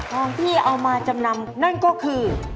ของที่เอามาจำนำนั่นก็คือ